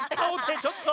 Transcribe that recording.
ちょっと！